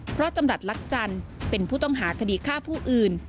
เพราะจำรัฐลักจันทร์เป็นผู้ต้องหาคดีฆ่าผู้อื่น